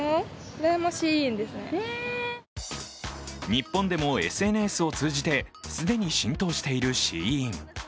日本でもＳＮＳを通じて既に浸透しているＳＨＥＩＮ。